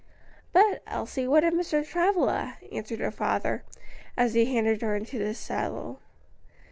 "But, Elsie, what of Mr. Travilla?" asked her father, as he handed her into the saddle.